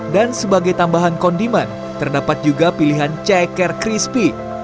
dan sebagai tambahan kondiman terdapat juga pilihan ceker crispy